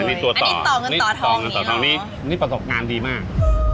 อันนี้ต่อเงินต่อทองนี้หรออันนี้ประสบการณ์ดีมาก